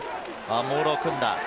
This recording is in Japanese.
モールを組んだ。